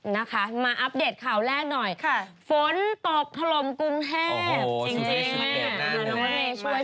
นะคะมาอัปเดตข่าวแรกหน่อยค่ะฝนตกถล่มกรุงเทพจริง